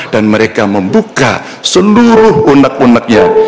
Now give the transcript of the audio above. dan mereka membuka seluruh unek uneknya